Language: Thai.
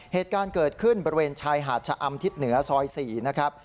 เหตุการณ์เกิดขึ้นบริเวณชายหาดชะอำทิศเหนือซอย๔นะครับ